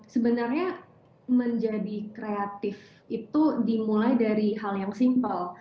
sebenarnya menjadi kreatif itu dimulai dari hal yang simpel